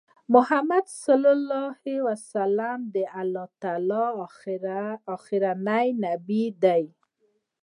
محمد صلی الله عليه وسلم د الله تعالی آخرنی نبی دی